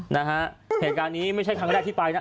นะฮะเหตุการณ์นี้ไม่ใช่ครั้งแรกที่ไปนะ